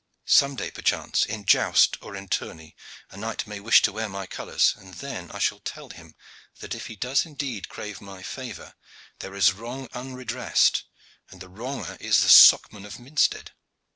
Some day, perchance, in joust or in tourney, knight may wish to wear my colors, and then I shall tell him that if he does indeed crave my favor there is wrong unredressed, and the wronger the Socman of Minstead.